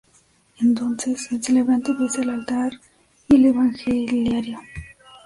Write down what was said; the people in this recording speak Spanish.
Entonces, el celebrante besa el altar y el evangeliario.